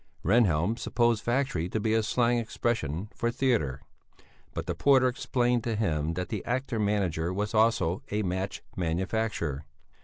Rehnhjelm supposed factory to be a slang expression for theatre, but the porter explained to him that the actor manager was also a match manufacturer.